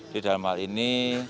di dalam hal ini